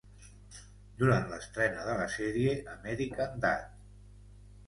Durant l'estrena de la sèrie American Dad!